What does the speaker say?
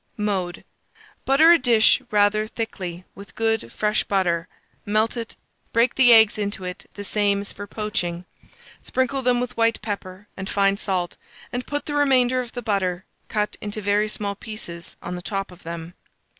Mode. Butter a dish rather thickly with good fresh butter; melt it, break the eggs into it the same as for poaching, sprinkle them with white pepper and fine salt, and put the remainder of the butter, cut into very small pieces, on the top of them.